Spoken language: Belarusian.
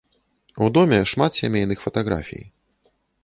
У доме шмат сямейных фатаграфій.